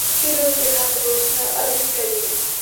پیلوټ د حق لور ته الوت کوي.